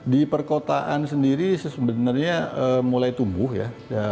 di perkotaan sendiri sebenarnya mulai tumbuh ya